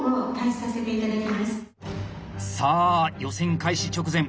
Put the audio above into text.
さあ予選開始直前。